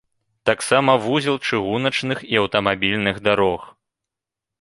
Таксама вузел чыгуначных і аўтамабільных дарог.